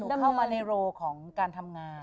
พอดีหนูเข้ามาในโรลของการทำงาน